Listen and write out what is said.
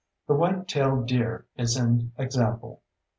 The white tailed deer is an example.